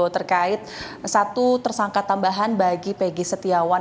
terkait satu tersangka tambahan bagi pegi setiawan